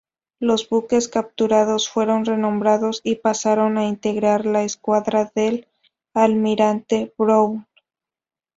Los buques capturados fueron renombrados y pasaron a integrar la escuadra del almirante Brown.